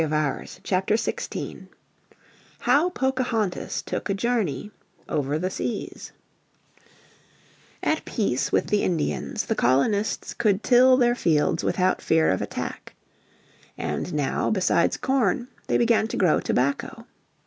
__________ Chapter 16 How Pocahontas Took a Journey Over the Seas At peace with the Indians, the colonists could till their fields without fear of attack. And now, besides corn, they began to grow tobacco.